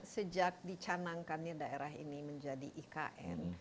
sejak dicanangkannya daerah ini menjadi ikn